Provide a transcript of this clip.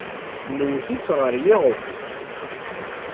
Nwet-itt ɣer yiɣef.